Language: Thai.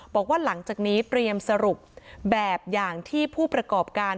บอกว่าหลังจากนี้เตรียมสรุปแบบอย่างที่ผู้ประกอบการ